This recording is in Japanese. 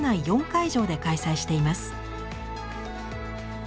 ４会場で開催しています。